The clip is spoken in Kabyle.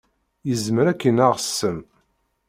Yezmer ad k-ineɣ ssem.